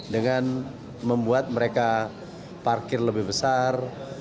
dengan membuat mereka parkir lebih besar